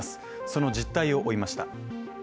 その実態を負いました。